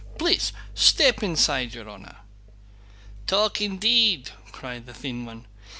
"Please step inside, your honor!" "Talk indeed!" cried the thin one.